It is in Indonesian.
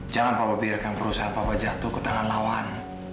jangan papa biarkan perusahaan papa jatuh ke tangan lawan